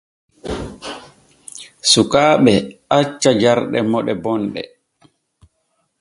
Sukaaɓe acca jarɗe moɗe bonɗe.